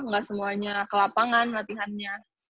nggak semuanya ke lapangan latihannya